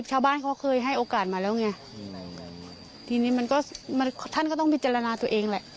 ชาวบ้านเขาเคยให้โอกาสมาแล้วไงทีนี้มันก็มันท่านก็ต้องพิจารณาตัวเองแหละ